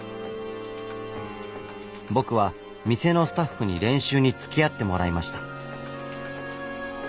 僕は店のスタッフに練習につきあってもらいました。